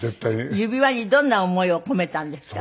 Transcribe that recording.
指輪にどんな思いを込めたんですか？